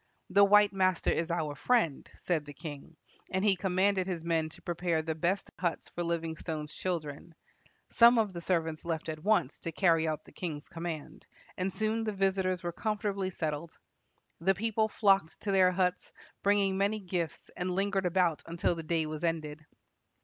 "The white master is our friend," said the king, and he commanded his men to prepare the best huts for Livingstone's children. Some of the servants left at once to carry out the king's command, and soon the visitors were comfortably settled. The people flocked to their huts, bringing many gifts, and lingered about until the day was ended.